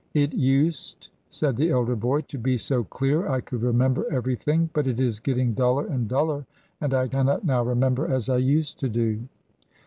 'It used,' said the elder boy, 'to be so clear, I could remember everything; but it is getting duller and duller, and I cannot now remember as I used to do.'